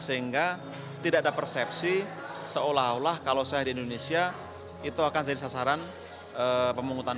sehingga tidak ada persepsi seolah olah kalau saya di indonesia itu akan jadi sasaran pemungutan